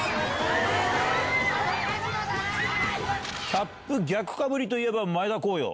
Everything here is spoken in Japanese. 「キャップ逆かぶりといえば前田耕陽！